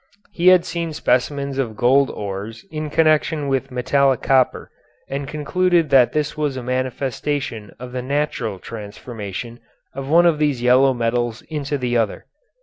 He had seen specimens of gold ores in connection with metallic copper, and concluded that this was a manifestation of the natural transformation of one of these yellow metals into the other.